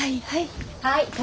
はいはい。